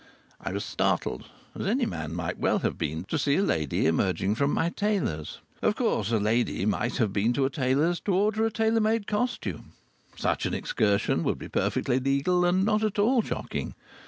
I was startled, as any man might well have been, to see a lady emerging from my tailor's. Of course a lady might have been to a tailor's to order a tailor made costume. Such an excursion would be perfectly legal and not at all shocking.